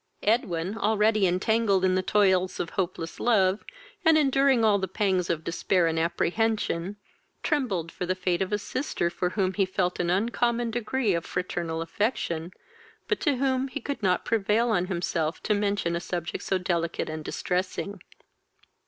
Edwin, already entangled in the toils of hopeless love, and enduring all the pangs of despair and apprehension, trembled for the fate of a sister for whom he felt an uncommon degree of fraternal affection, but to whom he could not prevail on himself to mention a subject so delicate and distressing.